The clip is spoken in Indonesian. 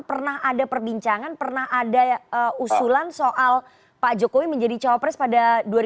pernah ada perbincangan pernah ada usulan soal pak jokowi menjadi cowok pres pada dua ribu sembilan belas